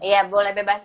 ya boleh bebas